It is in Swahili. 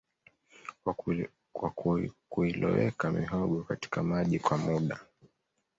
kwa kuiloweka mihogo katika maji kwa muda